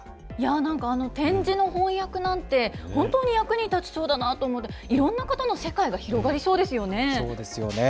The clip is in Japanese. なんかあの点字の翻訳なんて、本当に役に立ちそうだなと思って、いろんな方の世界が広がりそうでそうですよね。